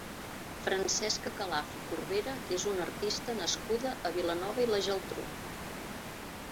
Francesca Calaf i Corbera és una artista nascuda a Vilanova i la Geltrú.